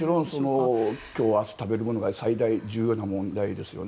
もちろん今日明日の食べる問題が最大、重要な問題ですよね。